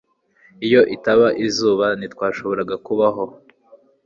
Iyo itaba izuba, ntitwashoboraga kubaho